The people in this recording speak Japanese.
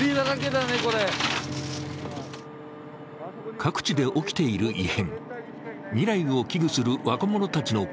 各地で起きている異変。